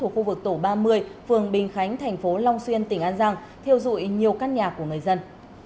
khu vực tổ ba mươi phường bình khánh thành phố long xuyên tỉnh an giang thiêu dụi nhiều căn nhà của người dân